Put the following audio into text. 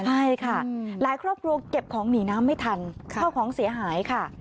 ใช่ค่ะหลายครอบครัวเก็บของหนีน้ำไม่ทันข้าวของเสียหายค่ะ